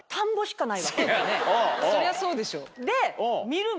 そりゃそうでしょ。